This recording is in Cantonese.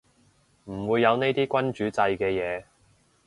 唔會有呢啲君主制嘅嘢